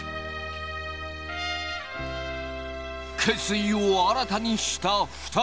決意を新たにした２人。